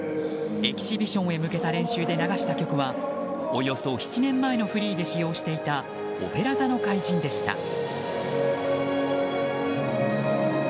エキシビションへ向けた練習で流した曲はおよそ７年前のフリーで使用していた「オペラ座の怪人」でした。